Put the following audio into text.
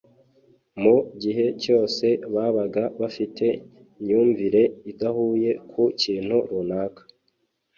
mu gihe cyose babaga bafite imyumvire idahuye ku kintu runaka